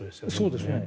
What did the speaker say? そうですね。